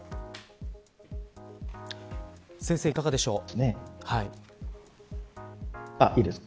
先生、いかがでしょう。